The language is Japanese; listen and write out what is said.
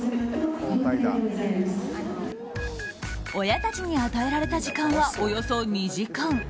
親たちに与えられた時間はおよそ２時間。